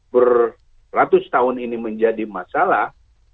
beratus tahun ini menjadi masalah